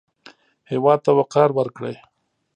هېواد ته وقار ورکړئ